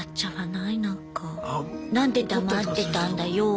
何で黙ってたんだよ。